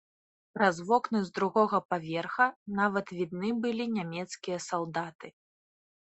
Праз вокны з другога паверха нават відны былі нямецкія салдаты.